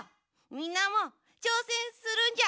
みなもちょうせんするんじゃ！